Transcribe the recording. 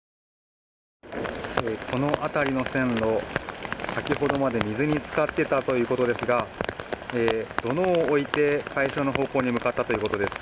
この辺りの線路先ほどまで水に浸かっていたということですが土のうを置いて解消の方向に向かったということです。